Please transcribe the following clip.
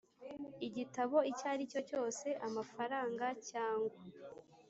Igitabo icyo aricyo cyose amafaranga cyangwa